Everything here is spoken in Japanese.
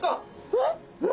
えっ！？